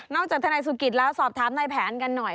จากทนายสุกิตแล้วสอบถามนายแผนกันหน่อย